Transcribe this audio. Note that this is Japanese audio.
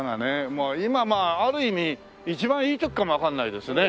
もう今まあある意味一番いい時かもわかんないですね。